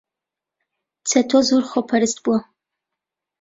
چەتۆ زۆر خۆپەرست بووە.